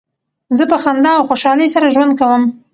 زه په خندا او خوشحالۍ سره ژوند کوم.